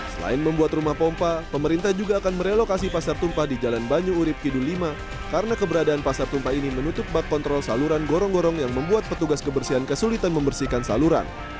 selain membuat rumah pompa pemerintah juga akan merelokasi pasar tumpah di jalan banyu urib kidul lima karena keberadaan pasar tumpah ini menutup bak kontrol saluran gorong gorong yang membuat petugas kebersihan kesulitan membersihkan saluran